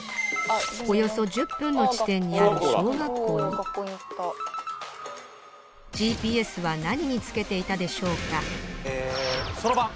およそ１０分の地点にある小学校にＧＰＳは何につけていたでしょうかそろばん。